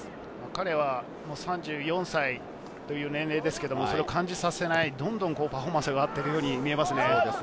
彼は３４歳、それを感じさせない、どんどんパフォーマンスが上がっているように見えます。